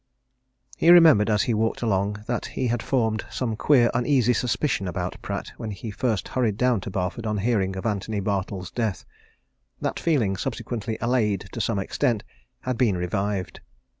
He remembered, as he walked along, that he had formed some queer, uneasy suspicion about Pratt when he first hurried down to Barford on hearing of Antony Bartle's death: that feeling, subsequently allayed to some extent, had been revived.